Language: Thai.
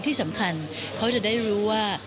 ที่สำคัญเขาจะได้รู้ว่า